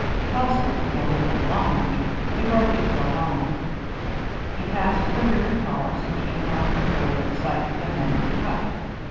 Puzzled and a little alarmed, he broke into a run. He passed the rear cars and came around the curve in sight of the men in the cut.